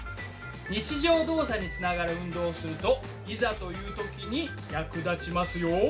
日常動作につながる運動をするといざという時に役立ちますよ。